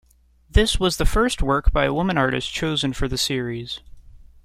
This was the first work by a woman artist chosen for the series.